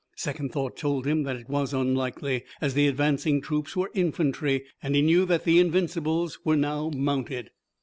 Second thought told him that it was unlikely, as the advancing troops were infantry, and he knew that the Invincibles were now mounted.